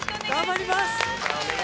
◆頑張ります。